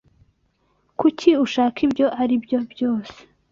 Kuki ushaka ibyo aribyo byose?